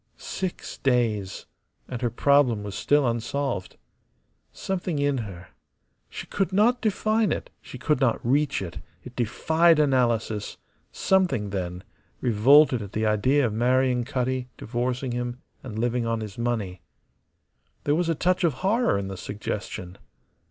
Six days, and her problem was still unsolved. Something in her she could not define it, she could not reach it, it defied analysis something, then, revolted at the idea of marrying Cutty, divorcing him, and living on his money. There was a touch of horror in the suggestion.